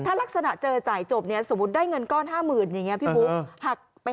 ถ้าลักษณะเจอจ่ายจบเนี่ยสมมุติได้เงินก้อน๕๐๐๐อย่างนี้พี่บุ๊ค